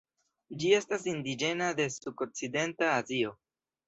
Ĝi estas indiĝena de sudokcidenta Azio.